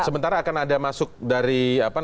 sementara akan ada masuk dari apa